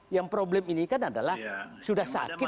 yang problem ini kan adalah sudah sakit